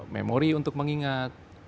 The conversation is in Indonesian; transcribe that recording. memori untuk mengingat